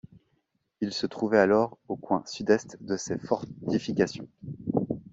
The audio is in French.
Il se trouvait alors au coin sud-est de ces fortifications.